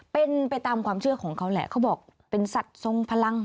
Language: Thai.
เป็นไปตามความเชื่อของเขาแหละเขาบอกเป็นสัตว์ทรงพลัง